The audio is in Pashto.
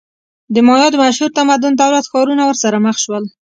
د مایا د مشهور تمدن دولت-ښارونه ورسره مخ شول.